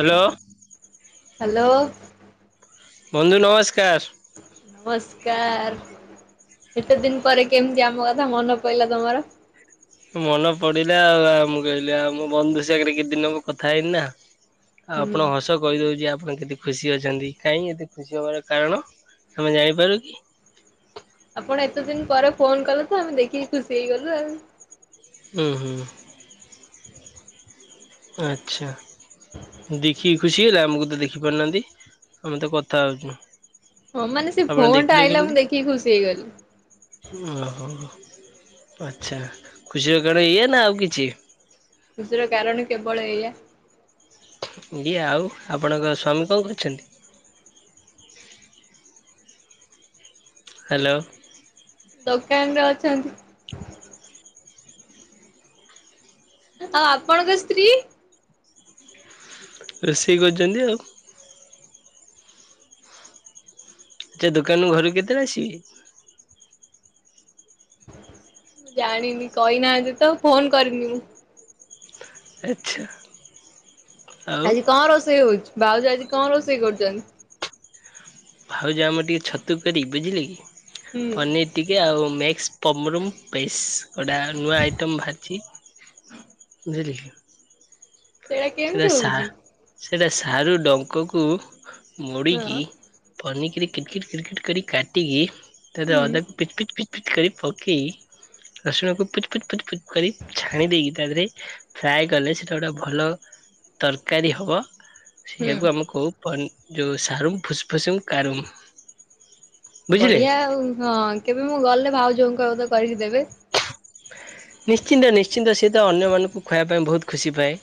Hello. Hello. ବନ୍ଧୁ ନମସ୍କାର। ନମସ୍କାର। ଏତେ ଦିନ ପରେ କେମିତି ଆମ କଥା ମନେ ପଡିଲା ତମର ମନେ ପଡିଲା ଆଉ ମୁଁ କହିଲି ଆଉ ମ ବନ୍ଧୁ ସାଙ୍ଗରେ କେତେ ଦିନ ହେଲା କଥା ହେଇନି ନା। ହୁଁ। ଆପଣ ହସ କହିଦଉଚି ଆପ୍ ଆପଣ କେତେ ଖୁସି ଅଛନ୍ତି କାହିଁକି ଏତେ ଖୁସି ହବାର କାରଣ ଆମେ ଜାଣିପାରୁ କି। ଆପଣ ଏତେ ଦିନ ପରେ ଫୋନ କଲେ ତ ତ ଆମେ ଦେଖିକି ଖୁସି ହେଇଗଲୁ ଆଉ ହୁ ହୁଁ। ଆଚ୍ଛ। ଦେଖିକି ଖୁସି ହେଲେ ଆମକୁ ତ ଦେଖିପାରୁନାହାଁନ୍ତି ଆମେତ କଥା ହଉଚୁ। ହଁ ମାନେ ସେ ଆପଣ ଫୋନ ଟା ଦେଖିଲେ ଆଇଲା ମୁଁ କେମିତି ଦେଖିକି ଖୁସି ହେଇଗଲି ଓହୋ। ଆଛା ଖୁସିର କଣ ଇଏ ନା ଆଉ କିଛି ଖୁସିର କାରଣ କେବଳ ଏଇଆା ଆଜ୍ଞା ଆଉ ଆପଣଙ୍କ ସ୍ୱାମୀ କଣ କରିଚନ୍ତି? ହାଲୋ। ଚା ଏମତି ଆପଣଙ୍କ ସ୍ତ୍ରୀ? ରୋଷେଇ କରୁଚନ୍ତି ଆଉ। ଆଛା ଦୋକାନରୁ ଘରୁକୁ କେତେବେଳେ ଆସିବେ? ଜାଣିନି କହିନାହାନ୍ତି ତ ଫୋନ କରିନି ମୁଁ। ଆଚ୍ଛା। ଆଉ ଆଜି କଣ ରୋଷେଇ ହଉଚି? ବାଉଜ ଆଜି କଣ ରୋଷେଇ କରୁଚନ୍ତି? ଭାଉଜ ଆମର ଟିକେ ଛତୁ କରି ବୁଝିଲେ କି ହୁଁ। ପନିର୍ ଟିକେ ଆଉ ମ୍ୟାଗ ପମ୍ରମ୍ ପେସ୍ ଗୋଟା ନୂଆ ଆଇଟେମ୍ ଭାହାରିଚି। ବୁଝିଲି। ସେଇଟା କେମିତି ହଉଚି? ସେଟା ସାରୁ ଡଙ୍କକୁ ମୋଡ଼ିକି ହଁ ପନିକି ରେ କିଟ୍ କିଟ୍ କିଟ୍ କିଟ୍ କରି କାଟିକି ତାପରେ ହୁଁ ଅଦାକୁ ପିଟ୍ ପିଟ୍ ପିଟ୍ ପିଟ୍ କରି ପକେଇ ରସୁଣକୁ ପୁଚ୍ ପୁଚ୍ ପୁଚ୍ ପୁଚ କରି ଛାଣି ଦେଇକି ତା ଦେହରେ ଫ୍ରାଏ କଲେ ସେଟା ଗୋଟେ ଭଲ ତରକାରୀ ହବ ହୁଁ। ସେଇଆକୁ ଆମେ କହୁ ପ ଯଉଁ ସାରୁମ୍ ଫୁସ୍ଫୁସୁମ୍ କାରୁମ୍। ବୁଝିଲେ। ବଢିଆ ଆଉ ହଁ କେବେ ମୁଁ ଗଲେ ଭାଉଜଙ୍କୁ କହିବ ତ କରିକି ଦେବେ। ନିଶ୍ଚିନ୍ତ ନିଶ୍ଚିନ୍ତ। ସେ ତ ଅନ୍ୟମାନଙ୍କୁ ଖୁଆଇବା ପାଇଁ ବହୁତ ଖୁସି ପାଏ।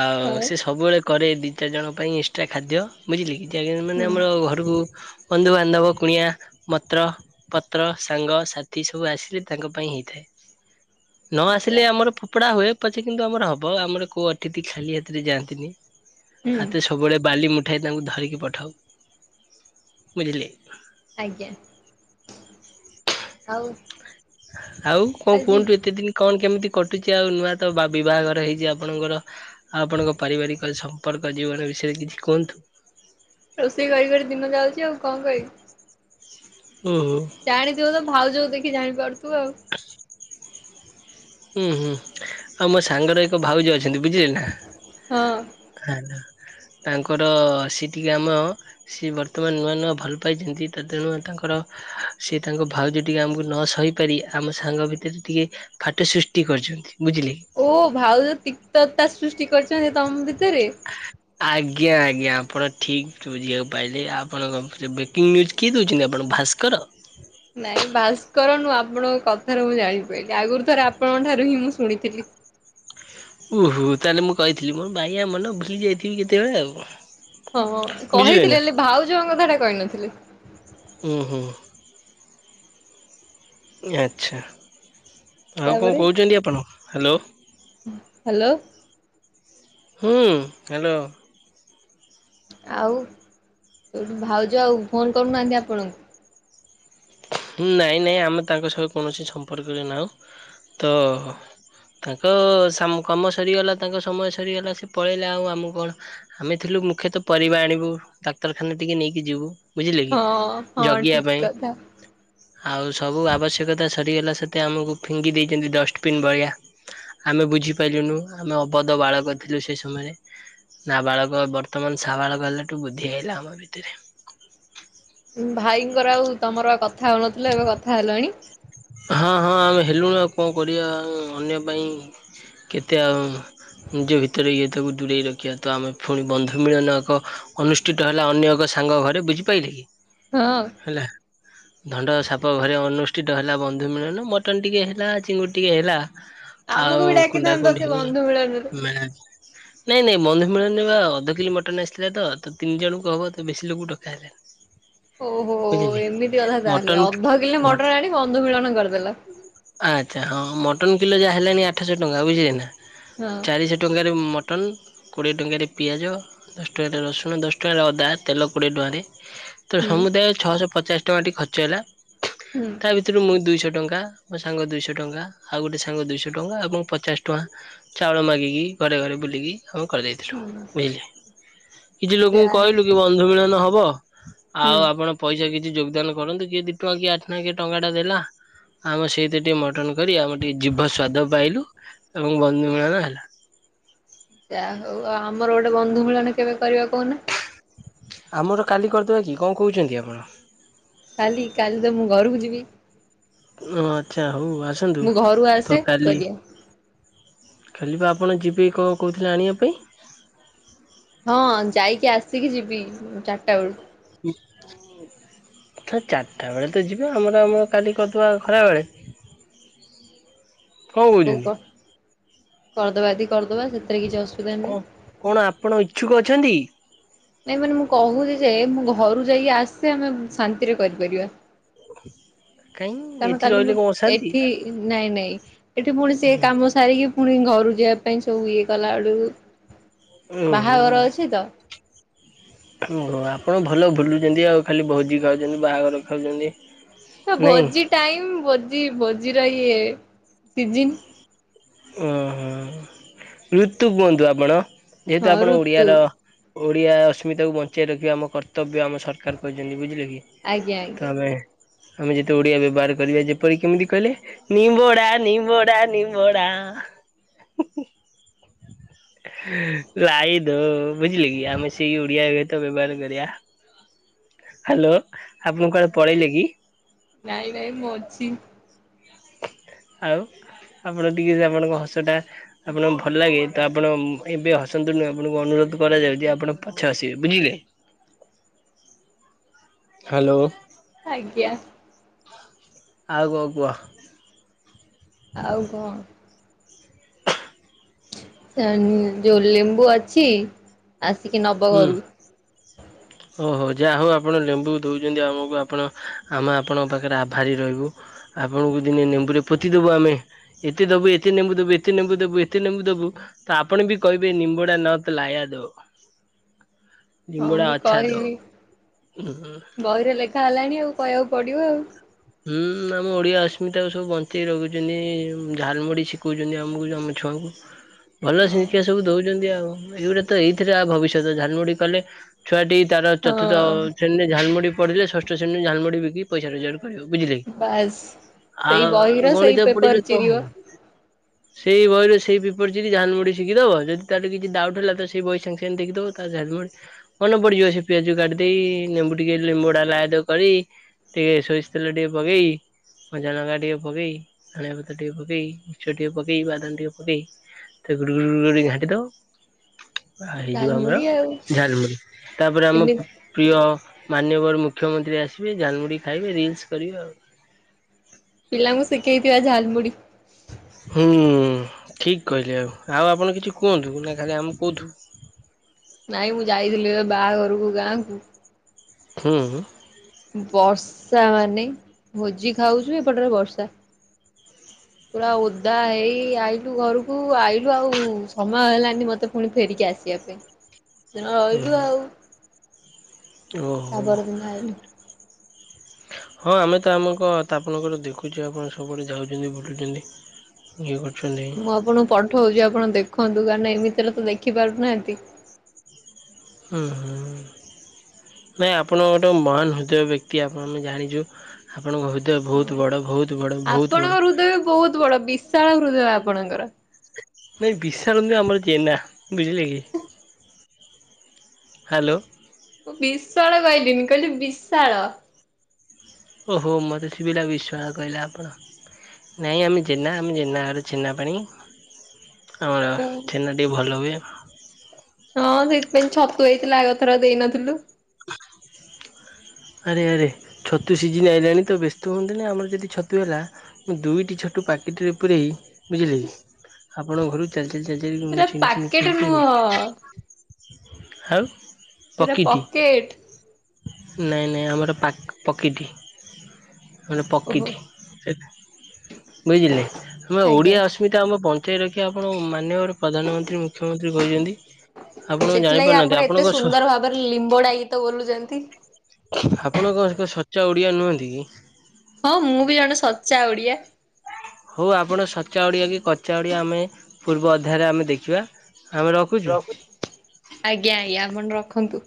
ଆଉ ହଉ ସେ ସବୁବେଳେ କରେ ଦିଇ ଚାରିଜଣଙ୍କ ପାଇଁ ଏକ୍ସଟ୍ରା ଖାଦ୍ୟ ବୁଝିଲେ କିି। [unintelligible] ହୁଁ ମାନେ ଆମର ଘରକୁ ବନ୍ଧୁବାନ୍ଧବ କୁଣିଆ ମତ୍ର ପତ୍ର ସାଙ୍ଗସାଥି ସବୁ ଆସିଲେ ତାଙ୍କ ପାଇଁ ହେଇଥାଏ। ନ ଯା ଆସିଲେ ଆମର ଫୋପଡା ହୁଏ। ପଛେ କିନ୍ତୁ ଆମର ହବ ଆମର କୋଉ ଅତିଥି ଖାଲି ହାତରେ ଯାଆନ୍ତିନି। ହୁଁ ହାତରେ ସବୁବେଳେ ବାଲିମୁଟ ଠାଏ ତାଙ୍କୁ ଧରିକି ପଠାଉ ବୁଝିଲେ। ଆଜ୍ଞା ଆଉ ଆଉ କଣ ଆଜି କୁହନ୍ତୁ ଏତେ ଦିନ କଣ କେମିତି କଟୁଚି ଆଉ ନୂଆ ତ ବିବାହଘର ହେଇଚି ଆପଣଙ୍କର ଆଉ ଆପଣଙ୍କ ପାରିବାରିକ ସମ୍ପର୍କ ଜୀବନ ବି ବିଷୟରେ କିଛିି କୁହନ୍ତୁ। ରୋଷେଇ କରି କରି ଦିନ ଯାଉଚି ଆଉ କଣ କହିବି। ଓହୋ ଜାଣିଥିବ ତ ଭାଉଜକୁ ଦେଖି ଜାଣିପାରୁଥିବ ଆଉ। ହୁଁ ହୁଁ ଆଉ ମୋ ସାଙ୍ଗର ଏକ ଭାଉଜ। ଅଛନ୍ତି ବୁଝିଲେ ନା। ହଁ ତାଙ୍କର ସେଟିକେ ଆମ ସେ ବର୍ତ୍ତମାନ ନୂଆ ନୂଆ ଭଲ ପାଇଛନ୍ତି ତ ତେଣୁ ତାଙ୍କ ତାଙ୍କର ସେ ତାଙ୍କ ଭାଉଜ ଟିକ ଆମକୁ ନ ସହିପାରି ଆମ ସାଙ୍ଗ ଭିତରେ ଟିକେ ଫ। ଟ ଫାଟ ସୃଷ୍ଟି କରିଛନ୍ତି। ଓ ଭାଉଜ ତିକ୍ତତା ସୃଷ୍ଟି କରିଛନ୍ତି ତମ ଭିତରେ? ଆଜ୍ଞା ଆଜ୍ଞା। ଆପଣ ଠିକ୍ ବୁଝିବାକୁ ପାଇଲେ ଆପଣଙ୍କ ବ୍ରେକିଂ ନିଉଜ୍ କିଏ ଦଉଛନ୍ତି ଆପଣ। ଭାସ୍କର? ନାଇଁ ଭାସ୍କର ନୁହଁ। ଆପଣଙ୍କ କଥାରୁ ମୁଁ ଜାଣିପାରିଲି। ଆଗରୁ ଥରେ ଆପଣଙ୍କ ଠାରୁ ହିଁ ମୁଁ ଶୁଣିଥିଲି। ଓହୋ ତାହେଲେ ମୁଁ କହିଥିଲି ମୋର ବାଇଆ ମନ ଭୁଲି ଯାଇଥିବି କେତେବେଳେ ଆଉ। ହଁ। ବୁଝିଲେ କହିଥିଲି ନା ହେଲେ ଭାଉଜଉଙ୍କ କଥା ଟା କହିନଥିଲେ। ହୁଁ ହୁଁ। ଆଚ୍ଛା ଆଉ କଣ ତାପରେ କହୁଛନ୍ତି ଆପଣ ହ୍ୟାଲୋ। ହ୍ୟାଲୋ। ହୁଁ। ହ୍ୟାଲୋ। ଆଉ ସେଉଠୁ ଭାଉଜ ଆଉ ଫୋନ କରୁନାହାନ୍ତି ଆପଣଙ୍କୁ? ନାଇଁ ନାଇଁ ଆମେ ତାଙ୍କ ସହ କୌଣସି ସମ୍ପର୍କରେ ନାହୁଁ ତ। ତାଙ୍କ ସାମ କାମ ସରିଗଲା ତାଙ୍କ ସମୟ ସରିଗଲା ସେ ପଳେଇଲା ଆଉ ଆମକୁ କଣ ଆମେ ଥିଲୁ। ମୁଖ୍ୟତଃ ପରିବା ଆଣିବୁ ଡାକ୍ତରଖାନା ଟିକେ ନେଇକି ଯିବୁ ବୁଝିଲେ କି ହଁ ହଁ ଜଗିବା ଠିକ ପାଇଁ। କଥା। ଆଉ ସବୁ ଆବଶ୍ୟକତା ସରିଗଲା ସେ। ମୋତେ ଆମକୁ ଫିଙ୍ଗି ଦେଇଛନ୍ତି ଡଷ୍ଟବିନ୍ ଭଳିଆ। ଆମେ ବୁଝିପାଇଲୁନୁ ଆମେ ଅବଧ ବାଳକ ଥିଲୁ ସେଇ ସମୟରେ। ନାବାଳକ ବର୍ତ୍ତମାନ ସା ବାଳକ ହେଲାଠୁ ବୁଦ୍ଧି ହେଇଲା ଆମ ଭିତରେ। ଭାଇଙ୍କର ଆଉ ତମର କଥା ହଉନଥିଲ ଏବେ କଥା ହେଲଣି। ହଁ ହଁ ଆମେ ହେଲୁଣି ଆଉ କଣ କରିବା ଅନ୍ୟ ପାଇଁ କେତେ ଆଉ। ନିଜ ଭିତରେ ଇଏ ତାକୁ ଦୂରେଇ ରଖିବା ତ ଆମେ ପୁଣି ବନ୍ଧୁ ମିଳନ ଏକ ଅନୁଷ୍ଠିତ ହେଲା ଅନ୍ୟ ଏକ। ସାଙ୍ଗ ଘରେ ବୁଝିପାଇଲେ କି ହଁ ହେଲା ଧଣ୍ଡ ସାପ ଘରେ ଅନୁଷ୍ଠିତ ହେଲା। ହେଲା ବନ୍ଧୁ ମିଳନ ମଟନ ଟିକେ ହେଲା, ଚିଙ୍ଗୁଡି ଟିକେ ହେଲା। ଆମକୁ ଆଉ ବି କୁଣ୍ଢା ଡାକିଥାନ୍ତ କୁଣ୍ଡି ସେ ହେଇ ବନ୍ଧୁ ମିଳନରେ। ମା। ନାଇଁ ନାଇଁ ବନ୍ଧୁ ମିଳନ ବା ଅଧକିଲେ ମଟନ ଆସିଥିଲା ତ ତ ତିନି ଜଣଙ୍କୁ ହବ ତ ବେଶୀ ଲୋକ ଡକା ହେଲାନି। ଓହୋ ବୁଝିଲେ ଏମିତି କଥା ମଟନ ତାହେଲେ ଅଧ କିଲେ ମଟନ ଆଣିବ। ବଂଧୁ ମିଳନ କରିଦେଲ। ଆଚ୍ଛା ହଁ ମଟନ୍ କିଲୋ ଯାହା ହେଲାଣି ଆଠଶହ ଟଙ୍କା ବୁଝିଲେ ନା ହଁ ଚାରିଶହ ଟଙ୍କାରେ ମ ମଟନ୍ କୋଡ଼ିଏ ଟଙ୍କାରେ ପିଆଜ ଦଶ ଟଙ୍କାରେ ରସୁଣ ଦଶ ଟଙ୍କାରେ ଅଦା ତେଲ କୋଡ଼ିଏ ଟଙ୍କାରେ ତୋ ହୁଁ ସମୁଦାୟ ଛଅଶହ ପଚାଶ ଟଙ୍କା ଟି ଖର୍ଚ୍ଚ ହେଲା। ହୁଁ। ତା ଭିତରୁ ମୁଁ ଦୁଇଶହ ଟଙ୍କା ମୋ ସାଙ୍ଗ ଦୁଇଶହ ଟଙ୍କା ଆଉ ଗୋଟଏ ସାଙ୍ଗ ଦୁଇଶହ ଟଙ୍କା ଏବଂ ପଚାଶ ଟଙ୍କା ଚାଉଳ ମାଗିକି ଘରେ ଘରେ ବୁଲିକି ଆମେ କରିଦେଇଥିଲୁ ବୁଝିଲେ କିଛି ଲୋକଙ୍କୁ ଯାହା ହଉ କହିଲୁ କି ବନ୍ଧୁ ମିଳନ ହବ ହୁଁ। ଆଉ ଆପଣ ପଇସା କିଛି ଯୋଗଦାନ କରନ୍ତୁ କିଏ ଦି ଟଙ୍କା କିଏ ଆଠ ଟଙ୍କା କିଏ ଟଙ୍କା ଟା ଦେଲା। ଆମ ସେଇତ ଟିକେ ମଟନ କରି ଆମେ ଟିକେ ଜୀଭ ସ୍ଵାଦ ପାଇଲୁ ଏବଂ ବନ୍ଧୁ ମିଳନ ହେଲା। ଯା ହଉ ଆଉ ଆମର ଗୋଟେ ବନ୍ଧୁ ମିଳନ କେବେ କରିବା କହୁନ? ଆମର କାଲି କରିଦେବା କି କଣ କହୁଛନ୍ତି ଆପଣ? କାଲି କାଲି ତ ମୁଁ ଘରୁକୁ ଯିବି। ଓ ଆଚ୍ଛା ହଉ ଆସନ୍ତୁ ମୁଁ ଘରୁ ଆସେ ତ କାଲି? କରିବା। ଖେଲିବା ଆପଣ ଯିବେ କଣ କହୁଥିଲେ ଆଣିବା ପାଇଁ। ହଁ ଯାଇକି ଆସିକି ଯିବି ଚାରିଟା ବେଳକୁ। ହୁଁ। ସାର୍ ଚାରିଟା ବେଳେ ତ ଯିବେ ଆମର ଆମର କାଲି କରିଦେବା ଖରାବେେଳେ। କଣ କହୁଛନ୍ତି? କରଦବା ଯଦି କରଦବା ସେଥିରେ କିଛି ଅ କଣ କଣ ଆପଣ ଇଛୁକ ଅଛନ୍ତି? ନାଇଁ ମାନେ ମୁଁ କହୁଛି ଯେ ମୁଁ ଘରୁ ଯାଇକି ଆସେ ଆମେ ଶାନ୍ତିରେ କରିପାରିବା। କାହିଁ କାରଣ ଏଠି କାଲି ମୁଁ ରହିଲେ କଣ ଅଶାନ୍ତି? ଏଠି ନାଇଁ ନାଇଁ ଏଠି ପୁଣି ସେ କାମ ସାରିକି ପୁଣି ଘରୁ ଯିବା ପାଇଁ ସବୁ ଇଏ କଲା ବେଳକୁ ଓହୋ। ବାହାଘର ଅଛି ତ। ଆପଣ ଭଲ ଭୁଲୁଛନ୍ତି ଆଉ ଖାଲି ଭୋଜି ଖାଉଛନ୍ତି ବାହାଘର ଖାଉଛନ୍ତି। ତ ନାଇଁ ଭୋଜି ଟାଇମ ଭୋଜି ଭୋଜିର ଇଏ ସିଜିନ୍। ଓ ହଁ ଋତୁ କୁହନ୍ତୁ ଆପଣ ଯେହେତୁ ହଁ ଆପଣ ଋତୁ ଓଡିଆର ଓଡିଆ ଅସ୍ମିତାକୁ ବଞ୍ଚାଇ ରଖିବା ଆମ କର୍ତ୍ବ କର୍ତ୍ତବ୍ୟ ଆମ ସରକାର କହିଛନ୍ତି ବୁଝିଲେ କି ଆଜ୍ଞା ଆଜ୍ଞା ତ ଆମେ ଆମେ ଯେତେ ଓଡିଆ ବ୍ୟବହାର କରିବା ଯେପରି କେମିତି କହିଲେ ନିିମ୍ୱଡା ନିିମ୍ୱଡା ନିମ୍ବଡା। ଆ ହିଁ ହିଁ। ଲାଇଦ ବୁଝିଲ କିି ଆମେ ସେଇ ଓଡିଆ ଗୀତ ବ୍ୟବହାର କରିବା। ହ୍ୟାଲୋ ଆପଣ କଆଡେ ପଳେଇଲେ କି? ନାଇଁ ନାଇଁ ମୁଁ ଅଛି। ଆଉ। ଆପଣ ଟିକେ ଯେ ଆପଣଙ୍କ ହସ ଟା ଆପଣଙ୍କୁ ଭଲ ଲାଗେ ତ ଆପଣ ଏବେ ହସନ୍ତୁ ନୁଁ ଆପଣଙ୍କୁ ଅନୁରୋଧ କରାଯାଉ ଆପଣ ପଛେ ହସିବେ ବୁଝିଲେ? ହ୍ୟାଲୋ। ଆଜ୍ଞା। ଆଉ କଣ କୁହ? ଆଉ କଣ ଯୋଉ ଲେମ୍ବୁ ଅଛି ଆସିକି ନବ ଘରୁ। ଓ ହୋ ଯାହା ହଉ ଆପଣ ଲେମ୍ବୁ ଦେଉଛନ୍ତି ଆମକୁ ଆପଣ ଆମେ ଆପଣଙ୍କ ପାଖରେ ଆଭାରି ରହିବୁ। ଆପଣଙ୍କୁ ଦିନେ ନେମ୍ବୁରେ ପୋତିଦବୁ ଆମେ ଏତେ ଦବୁ ଏତେ ନେମ୍ବୁ ଦବୁ ଏତେ ନେବୁ ଦବୁ ଏତେ ନେମ୍ବୁ ଦବୁ ତ ଆପଣ ବି କହିବେ ନିମ୍ବୁଡା ନତ ଲାୟାଦୋ। ହଁ ଲିମ୍ବୁଡା ମୁଁ ଅଛା ଦୋ। କହିବି ଓ। ଗଲାଣି ଆଉ କହିବାକୁ ପଡିବ ଆଉ। ହୁଁ ଆମ ଓଡିଆ ଆସମିତା ଆଉ ସବୁ ବଞ୍ଚେଇି ରଖୁଛନ୍ତି ଝାଲମୁଢି ଶିଖଉଛନ୍ତି ଆମକୁ ଆମ ଛୁଆଙ୍କୁ। ହ ଭଲ ଶିକ୍ଷା ଆଉ। ସବୁ ଦଉଛନ୍ତି ଆଉ ଏଇଗୁଟା ତ ଏଇଥିରେ ଭବିଷ୍ୟତ ଝାଲମୁଢି କଲେ ଛୁଆ ଟି ତା ହଁ ହଁ ଚତୁର୍ଥ୍ରେଣୀରେ ଝାଲମୁଢି ପଡ଼ିଲେ ଷଷ୍ଠ ଶ୍ରେଣୀରେ ଝାଲମୁଢି ବିକି ପଇସା ରୋଜଗାର ବୁଝିଲେ କି ବାସ୍। ସେଇ ବହିର ଆଉ ସେଇ ଗଣିତ ପେପର ପଡିଲେ କଣ ଚିରିବ ହବ। ସେଇ ବହିରେ ସେଇ ପେପର୍ ଚିରି ଝାଲମୁଡି ଶିଖି ଦବ ଯଦି ତାର କିଛି ଡାଉଟ ହେଲା ତ ସେଇ ବହି ସାଙ୍ଗେ ସାଙ୍ଗ ଦେଖିଦବ ତା [unintelligible] ମନେ ପଡିଯିବ ସେ ପିଆଜ କାଟିଦେଇ ଲେମ୍ବୁ ଟିକେ ଲେମ୍ବୁଡା ଲାୟଦୋ କରି। ଟିକ ସୋରିଷ ତେଲ ଟିକଏ ପକେଇ। କଞ୍ଚା ଲଙ୍କା ଟିକେ ପକେଇ ଧଣିଆ ପତ୍ର ଟିକେ ପକେଇ ମିକ୍ସର୍ ଟିକେ ପକେଇ ବାଦାମ ଟିକେ ପକେଇ। ତ ଗୁଡ଼ଗୁଡ଼ ଗୁଡ଼ କରି ଘାଣ୍ଟି ଦବ। ଆ ହେଇଯିବ ଆମର ଝାଲମୁଢି ଆଉ ଝାଲମୁଡି ତାପରେ ଆମ ଏମିତି ପ୍ରିୟ ମାନ୍ୟବର ମୁଖ୍ୟମନ୍ତ୍ରୀ ଆସିବେ ଝାଲମୁଢି ଖାଇବେ ରିଲସ୍ କରିବେ ଆଉ। ପିଲାଙ୍କୁ ଶିଖେଇଥିବା ଝାଲମୁଢି। ହୁଁ। ଠିକ କହିଲେ ଆଉ ଆଉ ଆପଣ କିଛି କୁହନ୍ତୁ ନା ଖାଲି ଆମେ କହୁଥିବୁ। ନାଇଁ ମୁଁ ଯାଇଥିଲି ଏ ବାହାଘରକୁ ଗାଁ କୁ ହୁଁ। ବର୍ଷା ମାନେ ଭୋଜି ଖାଉଛୁ ଏପଟରେ ବର୍ଷା। ପୁରା ଓଦା ହୋଇ ଆଇଲୁ ଘରକୁ ଆଇଲୁ ଆଉ ସମୟ ମ ହେଲାନି ମତେ ପୁଣି ଫେରିକି ଆସିବା ପାଇଁ ରହିଲୁ ଆଉ। ଓହୋ। ତାପରଦିନ ଆଇଲୁ। [inaudible] ହଁ ଆମେ ତ ଆମଙ୍କ ଆପଣଙ୍କର ଦେଖୁଛୁ ଆପଣ ସବୁଆଡେ ଯାଉଛନ୍ତି ବୁଲୁଛନ୍ତି ଇଏ କରୁଛ ମୁଁ ଆପଣଙ୍କୁ ପଠଉଛି ଆପଣ ଦେଖନ୍ତୁ କାହିଁକିନା ଏମତି ଏଥିରେ ତ ଦେଖି ପାରୁନାହାନ୍ତି। ହୁ ହୁ। ନାଇଁ ଆପଣ ଗୋଟେ ମହାନ ହୃଦୟ ବ୍ୟକ୍ତି ଆପଣ ଆମେ ଜାଣିଛୁ। ଆପଣଙ୍କ ହୃଦୟ ବହୁତ ହଁ ବଡ଼ ବହୁତ ବଡ଼ ବହୁତ ବଡ଼ ଆପଣଙ୍କ ହୃଦୟ ବହୁତ ବଡ ବିଶାଳ ହୃଦୟ ଆପଣଙ୍କର। ନାଇ ବିଶାଳ ନୁହେଁ ଆମର ଜେନା ବୁଝିଲେ କି। ହ୍ୟାଲୋ। ମୁଁ ବିଶ୍ବାଳ କହିଲିନି କହିଲି ବିଶାଳ। ଓ ହୋ ମୋତେ ଶୁଭିଲା ବିଶ୍ୱାଳ କହିଲେ ଆପଣ। ନାଇଁ ଆମେ ଜେନା ଆମେ ଜେନା ଘରର ଛେନ୍ନା ପାଣି। ଆମର ଓ। ଛେନାଟିିକେ ଭଲ ହୁଏ। ହଁ ସେଇଥିପାଇଁ ଛତୁ ହେଇଥିଲା ଆଗଥର ଦେଇନଥିଲୁ। ଆରେ ଆରେ ଛତୁ ସିଜିିନ ଆଇଲାଣି ତ ବ୍ୟସ୍ତ ହୁଅନ୍ତୁନି ଆମର ଯଦି ଛତୁ ହେଲା ମୁଁ ଦୁଇଟି ଛତୁ ପ୍ୟାକେଟ୍ ରେ ପୁରେଇ ବୁଝିଲେକି ଆପଣଙ୍କ ଘରକୁ ଚା ଏ ଯେ ଯେ ଇ ଉଁ ସେଟା ଛି ଛି ପାକେଟ ନୁହଁ ଆଉ ସେଇଟା ପକିଟି ପକେଟ। ନାଇଁ ନାଇଁ ଆମର ପା ପକିଟି। ମାନେ ଓହୋ ପକିଟି ଏ ବୁଝିଲେ ଆମେ ଆଜ୍ଞା। ଓଡିଆ ଅସ୍ମିତା ଆମେ ପ ବଞ୍ଚେଇ ରଖିବା ଆପଣ ମାନ୍ୟବର ପ୍ରଧାନମନ୍ତ୍ରୀ ମୁଖ୍ୟମନ୍ତ୍ରୀ କହୁଛନ୍ତି। ସେଥିଲାଗି ଆପଣ ଏତେ ସୁନ୍ଦର ଭାବରେ ଲିମ୍ବଡା ଗୀତ ବୋଲୁଚ ଆପଣ କଣ ଏକ ସଚା ଓଡିଆ ନୁହନ୍ତି କି? ହଁ ମୁଁ ବି ଜଣେ ସଚ୍ଚା ଓଡିଆ। ହଉ ଆପଣ ସଚା ଓଡିଆ କି କଚା ଓଡିଆ ଆମେ ପୂର୍ବ ଅଧାୟରେ ଆମେ ଦେଖିବା। ଆମେ ରଖୁଛୁ। ଆଜ୍ଞା ଆଜ୍ଞା ଆପଣ ରଖନ୍ତୁ।